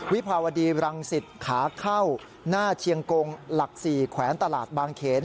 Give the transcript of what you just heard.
วิภาวดีรังสิตขาเข้าหน้าเชียงกงหลัก๔แขวนตลาดบางเขน